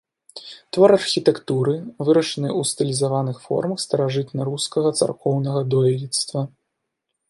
Твор архітэктуры, вырашаны ў стылізаваных формах старажытнарускага царкоўнага дойлідства.